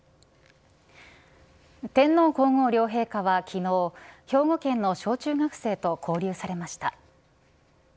天皇皇后両陛下は昨日兵庫県の小中学生と交流されました。